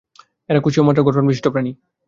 এরা কোষীয় মাত্রার গঠনবিশিষ্ট প্রাণী।